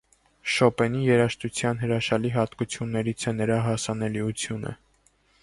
Շոպենի երաժշտության հրաշալի հատկություններից է նրա հասանելիությունը։